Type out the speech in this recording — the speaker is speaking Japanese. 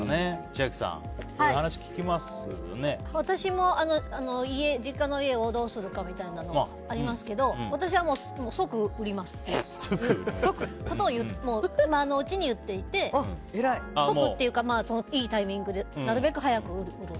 千秋さん、こういう私も実家の家をどうするのかみたいなのはありますけど私はもう即売りますってことを今のうちに言っていて即っていうか、いいタイミングでなるべく早く売る。